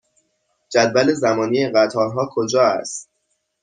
جدول زمانی قطارها کجا است؟